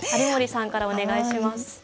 有森さんからお願いします。